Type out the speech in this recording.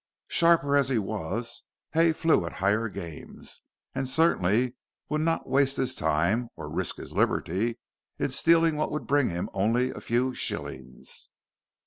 Sharper as he was, Hay flew at higher game, and certainly would not waste his time, or risk his liberty, in stealing what would bring him in only a few shillings.